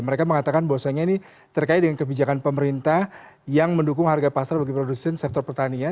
mereka mengatakan bahwasanya ini terkait dengan kebijakan pemerintah yang mendukung harga pasar bagi produsen sektor pertanian